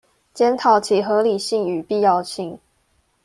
檢討其合理性與必要性